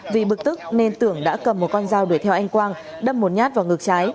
vì bực tức nên tưởng đã cầm một con dao đuổi theo anh quang đâm một nhát vào ngực trái